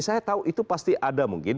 saya tahu itu pasti ada mungkin